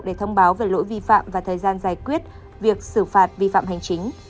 để thông báo về lỗi vi phạm và thời gian giải quyết việc xử phạt vi phạm hành chính